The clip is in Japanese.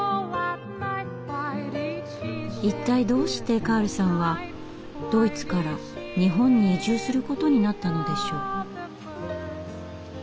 一体どうしてカールさんはドイツから日本に移住することになったのでしょう？